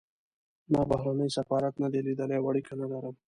ما بهرنی سفارت نه دی لیدلی او اړیکه نه لرم.